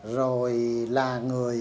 rồi là người